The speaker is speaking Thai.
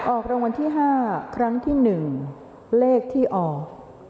ออกรางวัลที่๕ครั้งที่๑เลขที่ออก